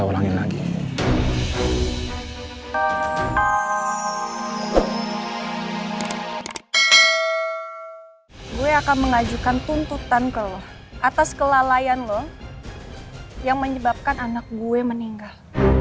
gue akan mengajukan tuntutan atas kelalaian lo yang menyebabkan anak gue meninggal